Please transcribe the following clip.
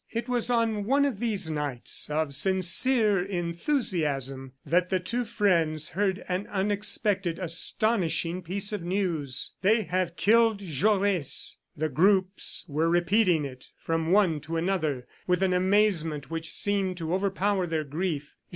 It was on one of these nights of sincere enthusiasm that the two friends heard an unexpected, astonishing piece of news. "They have killed Jaures!" The groups were repeating it from one to another with an amazement which seemed to overpower their grief.